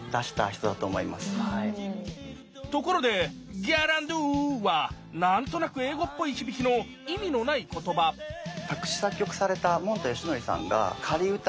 ところで「ギャランドゥ」は何となく英語っぽい響きの意味のない言葉作詞・作曲されたもんたよしのりさんが仮歌。